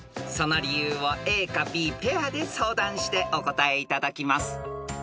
［その理由をＡかＢペアで相談してお答えいただきます］